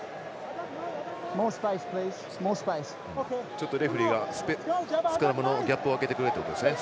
ちょっとレフリーがスクラムのギャップをあけてくれってことですね